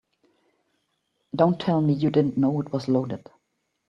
Don't tell me you didn't know it was loaded.